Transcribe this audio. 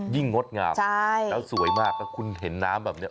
งดงามแล้วสวยมากแล้วคุณเห็นน้ำแบบนี้